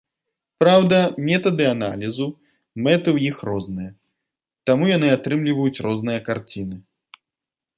Праўда, метады аналізу, мэты ў іх розныя, таму яны атрымліваюць розныя карціны.